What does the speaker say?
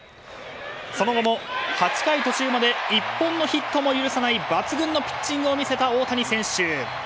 その後も８回途中まで１本のヒットも許さない抜群のピッチングを見せた大谷選手。